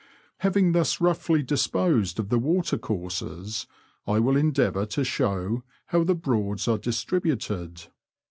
Having thus roughly disposed of the water courses, I will endeavour to show how the Broads are distributed.